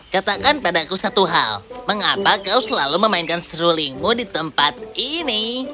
katakan padaku satu hal mengapa kau selalu memainkan strulingmu di tempat ini